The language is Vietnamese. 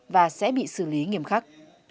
và sẽ bị xử lý nghiêm khắc